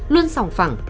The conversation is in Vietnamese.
luôn sòng phẳng